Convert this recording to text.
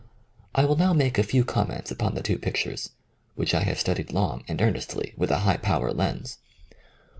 I will now make a few comments upon the two pictures, which I have studied long and earnestly with a high power lens.